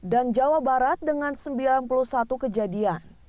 dan jawa barat dengan sembilan puluh satu kejadian